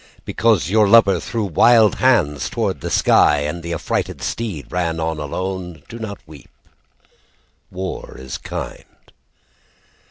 Because your lover threw wild hands toward the sky And the affrighted steed ran on alone, Do not weep. War is kind.